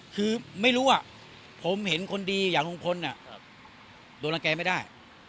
คือไม่รู้ผมเห็นคนดีอย่างลุงพลโดนรังแกไม่ได้